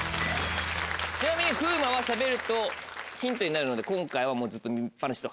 ちなみに風磨はしゃべるとヒントになるので今回はもうずっと見っ放しと。